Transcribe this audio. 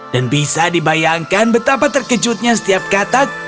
dan bisa dibayangkan betapa terkejutnya setiap kata mereka